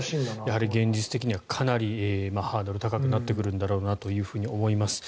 やはり現実的にはかなりハードルが高くなってくるんだろうなと思います。